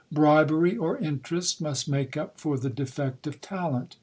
Bribery or interest must make up for the defect of talent.